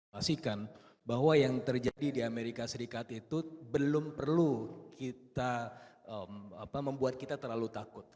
pastikan bahwa yang terjadi di amerika serikat itu belum perlu kita membuat kita terlalu takut